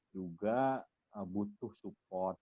juga butuh support